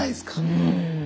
うん。